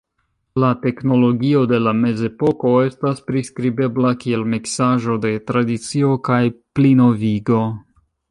La teknologio de la Mezepoko estas priskribebla kiel miksaĵo de tradicio kaj plinovigo.